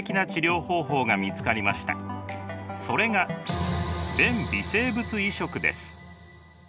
それが便微生物移植です。